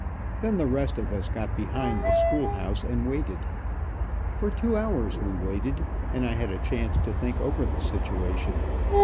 Then the rest of us got behind the school house and waited. For two hours we waited, and I had a chance to think over the situation.